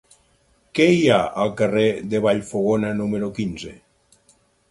Què hi ha al carrer de Vallfogona número quinze?